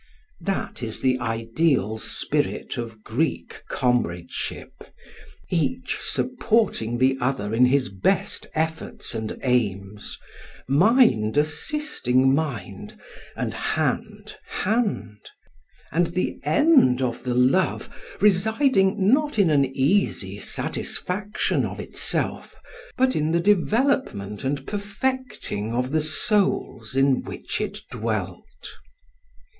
] That is the ideal spirit of Greek comradeship each supporting the other in his best efforts and aims, mind assisting mind and hand hand, and the end of the love residing not in an easy satisfaction of itself but in the development and perfecting of the souls in which it dwelt.